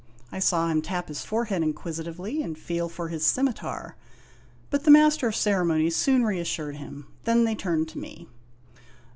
I saw him tap his forehead inquisitively and feel for his simitar. But the Master of Ceremonies soon reassured him. Then they turned to me.